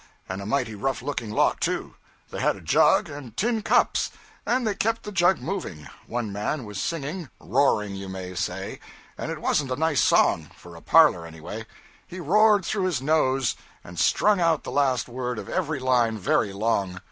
And a mighty rough looking lot, too. They had a jug, and tin cups, and they kept the jug moving. One man was singing roaring, you may say; and it wasn't a nice song for a parlor anyway. He roared through his nose, and strung out the last word of every line very long.